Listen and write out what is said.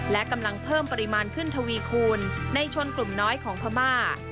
และกำลังเพิ่มปริมาณขึ้นทวีคูณในชนกลุ่มน้อยของพม่า